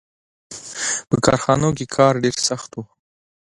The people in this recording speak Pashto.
• په کارخانو کې کار ډېر سخت و.